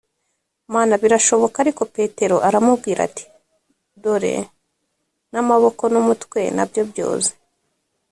Mana birashoboka ariko Petero aramubwira ati dore namaboko numutwe nabyo byoze